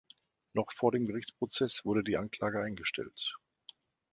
Noch vor dem Gerichtsprozess wurde die Anklage eingestellt.